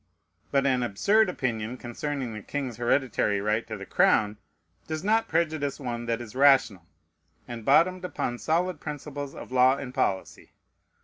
But an absurd opinion concerning the king's hereditary right to the crown does not prejudice one that is rational, and bottomed upon solid principles of law and policy.